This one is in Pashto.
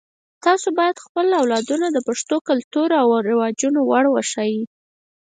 تاسو باید خپلو اولادونو ته د پښتنو کلتور او رواجونه ور وښایئ